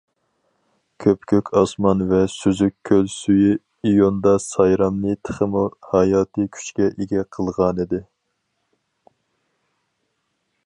كۆپكۆك ئاسمان ۋە سۈزۈك كۆل سۈيى ئىيۇندا سايرامنى تېخىمۇ ھاياتىي كۈچكە ئىگە قىلغانىدى.